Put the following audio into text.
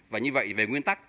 và như vậy về nguyên tắc